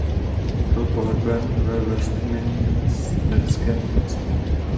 Byl pohřben ve Westminsterském opatství.